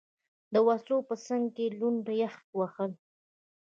د وسلو په څنګ کې، لوند، یخ وهلی.